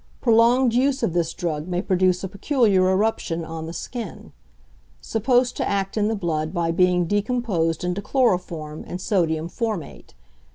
Prolonged use of this drug may produce a peculiar eruption on the skin. Supposed to act in the blood by being decomposed into chloroform and sodium formate.